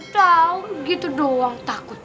tau gitu doang takut